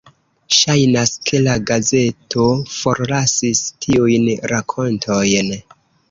Ŝajnas ke la gazeto forlasis tiujn rakontojn.